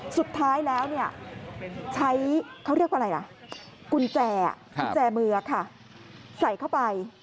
สุดท้ายแล้วใช้เขาเรียกว่าอะไรล่ะกุญแจกุญแจมือค่ะใส่เข้าไป